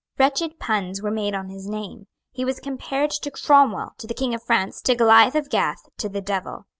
Wretched puns were made on his name. He was compared to Cromwell, to the King of France, to Goliath of Gath, to the Devil.